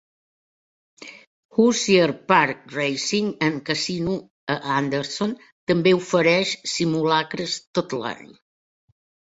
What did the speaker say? Hoosier Park Racing and Casino a Anderson també ofereix simulacres tot l'any.